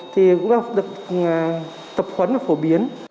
thì cũng là một cái bệnh khác